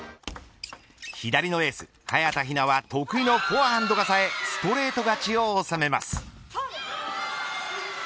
左のエース早田ひなは得意のフォアハンドがさえストレート勝ちを収めます。